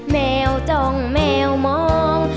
แมวจ้องแมวมอง